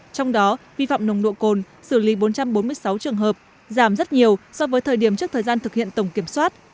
trong đó vi phạm nồng độ cồn xử lý bốn trăm bốn mươi sáu trường hợp giảm rất nhiều so với thời điểm trước thời gian thực hiện tổng kiểm soát